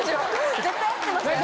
絶対合ってますから。